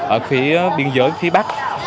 ở khía biên giới phía bắc